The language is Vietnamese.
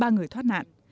ba người thoát nạn